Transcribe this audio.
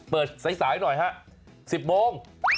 เปิดสายหน่อยฮะ๑๐โมง